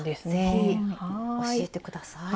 是非教えて下さい。